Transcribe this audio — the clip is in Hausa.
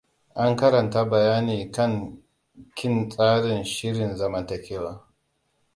An karanta bayani kan ƙin tsarin shirin zamantakewa.